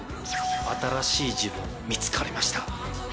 新しい自分見つかりました。